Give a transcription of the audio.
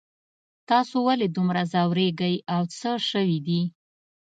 تاسو ولې دومره ځوریږئ او څه شوي دي